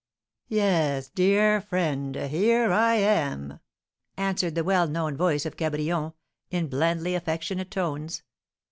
"Yes, dear friend, here I am!" answered the well known voice of Cabrion, in blandly affectionate tones.